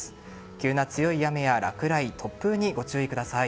急な強い雨や落雷突風にご注意ください。